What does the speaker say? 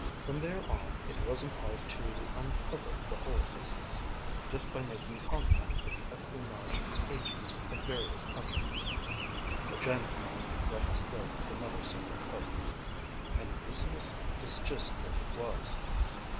From there on, it wasn't hard to uncover the whole business, just by making contact with the espionage agents of various countries." The JANIG man wet his throat with another sip of coke. "And business is just what it was.